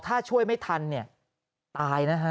ถ้าช่วยไม่ทันตายนะฮะ